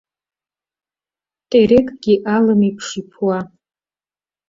Терекгьы алым еиԥш иԥуа.